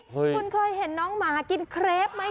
คุณเคยเห็นน้องหมากินเครปไหม